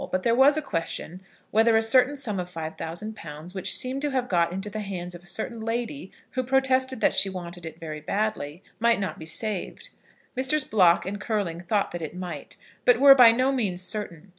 But there was a question whether a certain sum of £5000, which seemed to have got into the hands of a certain lady who protested that she wanted it very badly, might not be saved. Messrs. Block and Curling thought that it might, but were by no means certain.